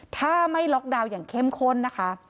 ถ้าไม่ล็อกดาวน์อย่างเข้มข้นนะคะ